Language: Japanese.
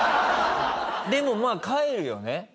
でもまあ帰るよね